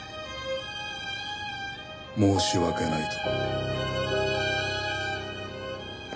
申し訳ないと。